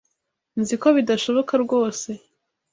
Nzi ko bidashoboka rwose.